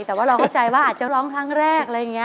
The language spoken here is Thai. แต่ว่าเราเข้าใจว่าอาจจะร้องครั้งแรกอะไรอย่างนี้